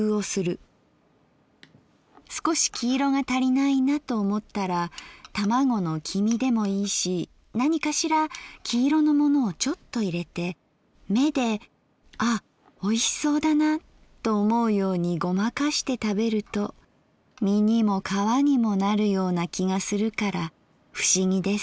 すこし黄色が足りないなと思ったら卵の黄身でもいいし何かしら黄色のものをちょっと入れて目で「あっおいしそうだな」と思うようにごまかして食べると身にも皮にもなるような気がするから不思議です」。